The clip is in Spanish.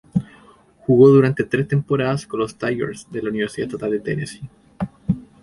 Jugó durante tres temporadas con los "Tigers" de la Universidad Estatal de Tennessee.